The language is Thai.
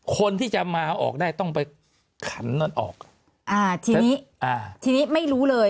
คนที่จะมาออกได้ต้องไปขันนั้นออกอ่าทีนี้อ่าทีนี้ไม่รู้เลย